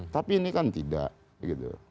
tapi ini kan tidak begitu